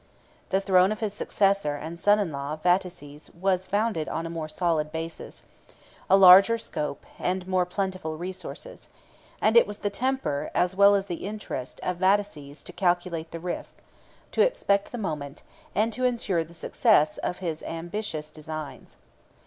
The throne of his successor and son in law Vataces was founded on a more solid basis, a larger scope, and more plentiful resources; and it was the temper, as well as the interest, of Vataces to calculate the risk, to expect the moment, and to insure the success, of his ambitious designs.